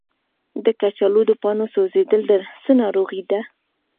د کچالو د پاڼو سوځیدل څه ناروغي ده؟